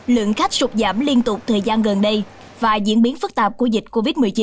lượng khách sụt giảm liên tục thời gian gần đây và diễn biến phức tạp của dịch covid một mươi chín